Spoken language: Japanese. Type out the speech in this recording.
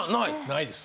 ないです